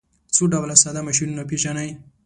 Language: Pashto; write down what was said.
څو ډوله ساده ماشینونه پیژنئ.